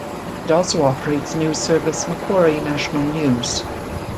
It also operates news service Macquarie National News.